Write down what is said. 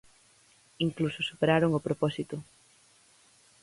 Incluso superaron o propósito.